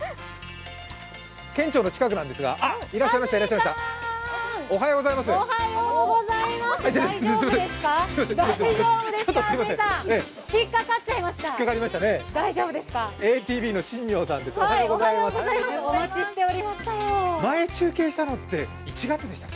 県庁の近くなんですが、あっ、いらっしゃいました。